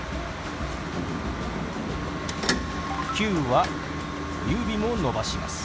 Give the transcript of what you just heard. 「９」は小指も伸ばします。